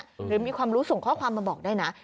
หรือมีความรู้ส่งข้อความมาบอกได้นะ